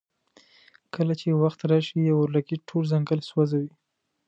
کله چې وخت راشي یو اورلګیت ټول ځنګل سوځوي.